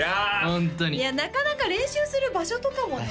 ホントになかなか練習する場所とかもね